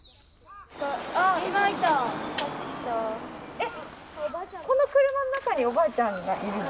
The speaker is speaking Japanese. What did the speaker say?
えっこの車の中におばあちゃんがいるの？